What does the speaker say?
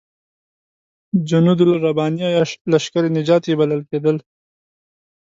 جنودالربانیه یا لشکر نجات یې بلل کېدل.